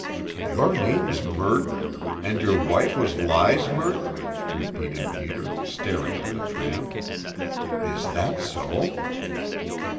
"Your name's Merdin? And your wife was Lize Merdin?" repeated Peter, staring at the tramp. "Is that so?"